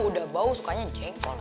udah bau sukanya jengkol